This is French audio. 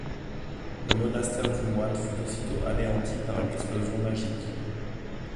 Le monastère du moine fut aussitôt anéanti par une explosion magique.